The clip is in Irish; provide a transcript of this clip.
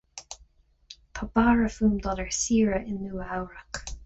Tá bara fúm dul ar saoire in Nua-Eabhrac